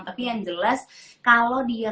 tapi yang jelas kalau dia